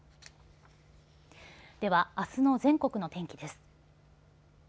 では、あすの全国の天気です。